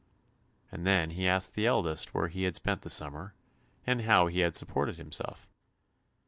And then he asked the eldest where he had spent the summer, and how he had supported himself?